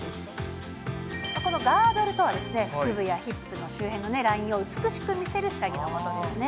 このガードルとは、腹部やヒップの周辺のラインを美しく見せる下着のことですね。